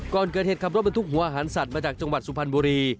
ก่อนเกิดเหตุขับรถบรรทุกหัวอาหารสัตว์มาจากจังหวัดสุพรรณบุรี